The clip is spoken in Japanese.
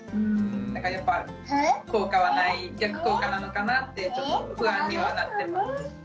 だからやっぱ逆効果なのかなってちょっと不安にはなってます。